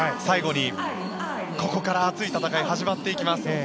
最後に、ここから熱い戦い始まっていきます。